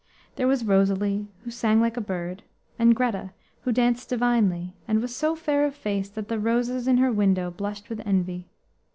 There was Rosalie, who sang like a bird, and Greta, who danced divinely, and was so fair of face that the roses in her window blushed with envy.